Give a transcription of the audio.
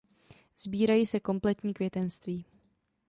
Sbírají se kompletní květenství.